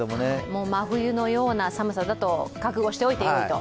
もう真冬のような寒さだと覚悟していていいと。